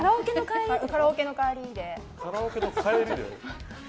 カラオケの帰りで。